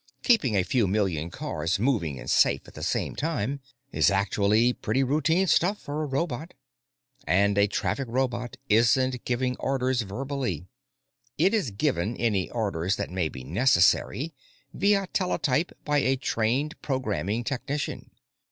Keeping a few million cars moving and safe at the same time is actually pretty routine stuff for a robot. And a traffic robot isn't given orders verbally; it is given any orders that may be necessary via teletype by a trained programming technician.